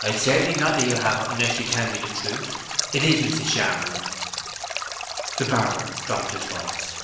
"I'll certainly not let you have it unless you tell me the truth. It is Mrs. Charmond." The barber dropped his voice.